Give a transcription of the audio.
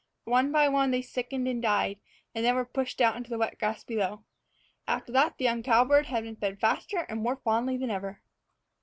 One by one they sickened and died, and were then pushed out into the wet grass below. After that the young cowbird had been fed faster and more fondly than ever.